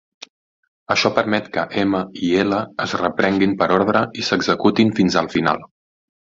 Això permet que M i L es reprenguin per ordre i s'executin fins al final.